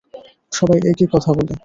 সবাই একি কথা বলে।